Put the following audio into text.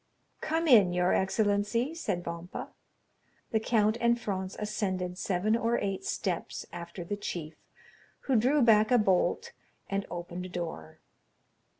"Come in, your excellency," said Vampa. The count and Franz ascended seven or eight steps after the chief, who drew back a bolt and opened a door.